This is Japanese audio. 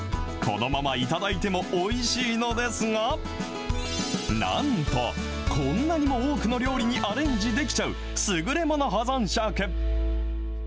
このまま頂いてもおいしいのですが、なんと、こんなにも多くの料理にアレンジできちゃう優れ物保存食。